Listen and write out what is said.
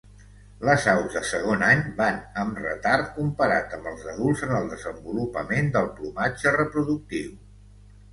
Les aus de segon any van amb retard comparat amb els adults en el desenvolupament del plomatge reproductiu.